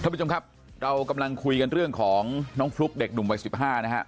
ทสมมติกว่านะครับเรากำลังคุยกันเรื่องของนองฟลุ๊คเด็กหนุ่มวัน๑๕นะฮะ